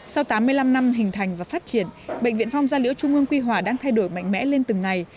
sau tám mươi năm năm hình thành và phát triển bệnh viện phong gia liễu trung ương quy hòa đang thay đổi mạnh mẽ lên từng ngày